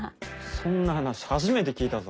そんな話初めて聞いたぞ。